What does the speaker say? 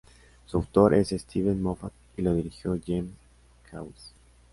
Su autor es Steven Moffat y lo dirigió James Hawes.